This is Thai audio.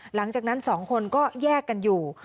หลังจากนั้น๒คนก็แยกกันอยู่